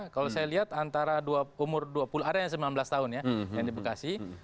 kalau saya lihat antara umur dua puluh ada yang sembilan belas tahun ya yang di bekasi